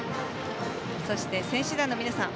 そして選手団の皆さん